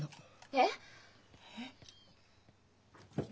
えっ？